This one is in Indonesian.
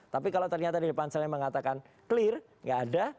tapi kalau ternyata di panselnya mengatakan clear nggak ada